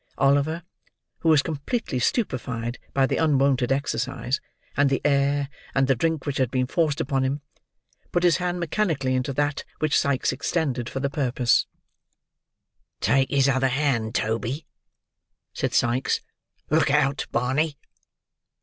Oliver: who was completely stupified by the unwonted exercise, and the air, and the drink which had been forced upon him: put his hand mechanically into that which Sikes extended for the purpose. "Take his other hand, Toby," said Sikes. "Look out, Barney."